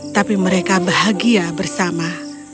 tapi mereka bahagia bersama